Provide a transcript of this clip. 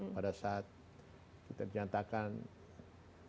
pada saat kita ternyata kena